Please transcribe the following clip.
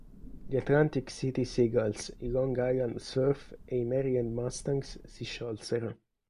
Gli Atlantic City Seagulls, i Long Island Surf e i Maryland Mustangs si sciolsero.